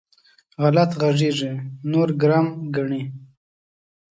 غلط غږېږي؛ نور ګرم ګڼي.